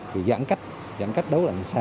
vì giãn cách giãn cách đấu lệnh xe